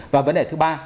và vấn đề thứ ba